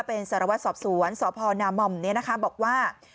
เป็นสารวัตรสอบสวนสพนามอมบอกว่า